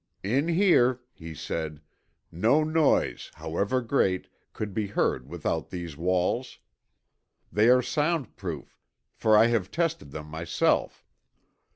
"In here," he said, "no noise, however great, could be heard without these walls. They are sound proof, for I have tested them myself.